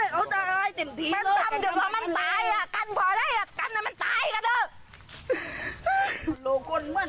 ต้องก็ไม่มีเมล่าเลยปล่อยก็ไม่มีเมล่าเลย